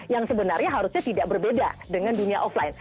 yang sebenarnya harusnya tidak berbeda dengan dunia offline